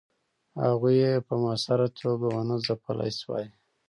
هغوی یې په موثره توګه ونه ځپلای سوای.